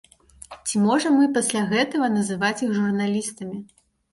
Ці можам мы пасля гэтага называць іх журналістамі?